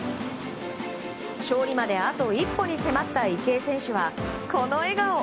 勝利まであと一歩に迫った池江選手はこの笑顔。